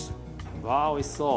わおいしそう。